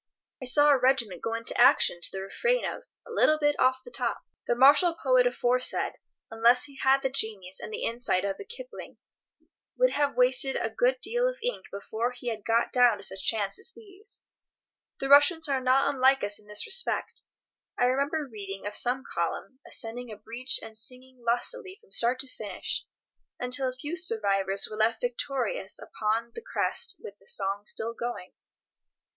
I saw a regiment go into action to the refrain of "A little bit off the top." The martial poet aforesaid, unless he had the genius and the insight of a Kipling, would have wasted a good deal of ink before he had got down to such chants as these. The Russians are not unlike us in this respect. I remember reading of some column ascending a breach and singing lustily from start to finish, until a few survivors were left victorious upon the crest with the song still going.